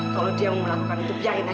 kalau dia mau melakukan itu biarkan saja